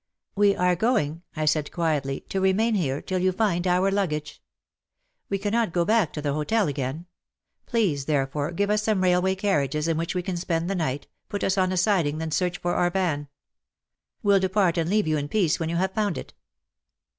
We are going," I said quietly, '*to remain here till you find our luggage. We cannot go back to the hotel again. Please, therefore, give us some railway carriages in which we can spend the night, put us on a siding, then search for our van. We'll depart and leave you in peace when you have found it."